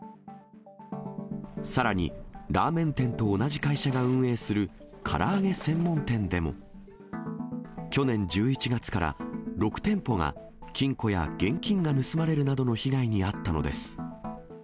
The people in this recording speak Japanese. さらに、ラーメン店と同じ会社が運営するから揚げ専門店でも、去年１１月から６店舗が、金庫や現金が盗まれるなどの被害に遭ったのです。